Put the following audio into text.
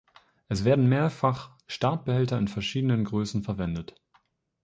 Es werden Mehrfach-Startbehälter in verschiedenen Größen verwendet.